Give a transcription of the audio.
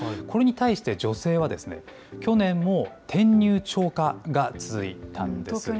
これに対して女性は、去年も転入超過が続いたんです。